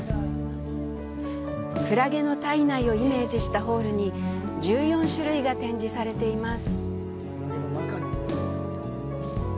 クラゲの体内をイメージしたホールに１４種類が展示されています。